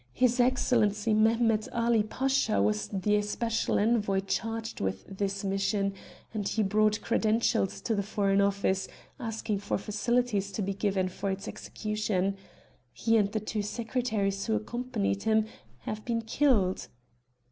His Excellency Mehemet Ali Pasha was the especial envoy charged with this mission, and he brought credentials to the Foreign Office asking for facilities to be given for its execution. He and the two secretaries who accompanied him have been killed."